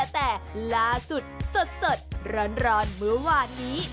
แต่ล่าสุดสดร้อนเมื่อวานนี้